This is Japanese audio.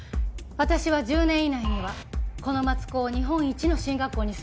私は１０年以内にはこの松高を日本一の進学校にするつもりなの。